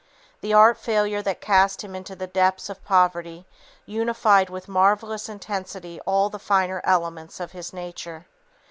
The art failure that cast him into the depths of poverty unified with marvellous intensity all the finer elements of his nature.